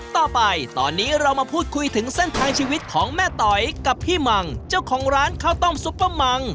ต่อไปตอนนี้เรามาพูดคุยถึงเส้นทางชีวิตของแม่ต๋อยกับพี่มังเจ้าของร้านข้าวต้มซุปเปอร์มัง